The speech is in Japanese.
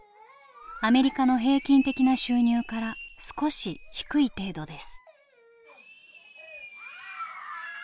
アメリカの平均的な収入から少し低い程度です。